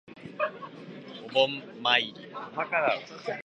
お墓参り